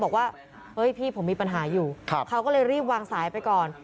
บอกว่าเฮ้ยพี่ผมมีปัญหาอยู่เขาก็เลยรีบวางสายไปก่อน